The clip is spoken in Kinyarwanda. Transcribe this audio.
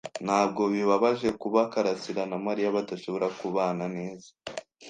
Ntabwo bibabaje kuba karasira na Mariya badashobora kubana neza?